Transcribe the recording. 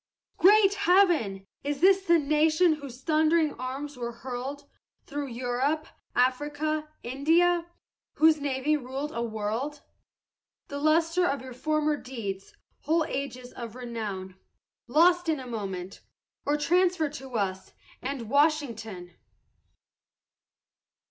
Great Heaven! is this the nation whose thundering arms were hurled, Through Europe, Afric, India? whose navy ruled a world? The lustre of your former deeds, whole ages of renown, Lost in a moment, or transferred to us and Washington!